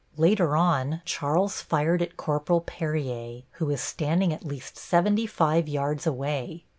Later on Charles fired at Corporal Perrier, who was standing at least seventy five yards away.